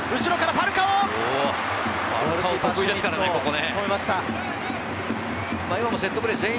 ファルカオ得意ですからね、ここね。